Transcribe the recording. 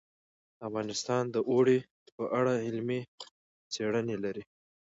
افغانستان د اوړي په اړه علمي څېړنې لري.